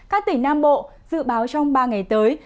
các tỉnh nam bộ dự báo trong ba ngày tới